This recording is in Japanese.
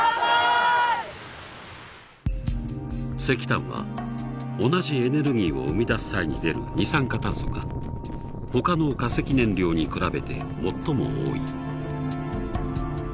石炭は同じエネルギーを生み出す際に出る二酸化炭素がほかの化石燃料に比べて最も多い。